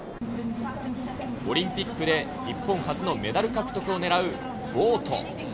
オリンピックで日本初のメダル獲得を狙うボート。